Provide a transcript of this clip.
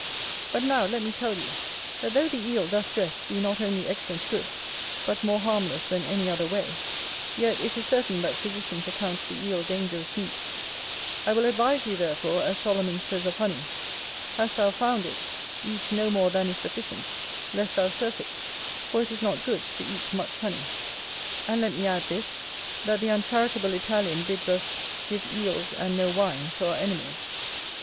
But now let me tell you, that though the Eel, thus drest, be not only excellent good, but more harmless than any other way, yet it is certain that physicians account the Eel dangerous meat; I will advise you therefore, as Solomon says of honey, "Hast thou found it, eat no more than is sufficient, lest thou surfeit, for it is not good to eat much honey". And let me add this, that the uncharitable Italian bids us "give Eels and no wine to our enemies".